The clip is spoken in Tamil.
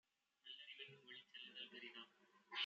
நல்லறி வென்னும்வழிச் செல்லுதல் பெரிதா?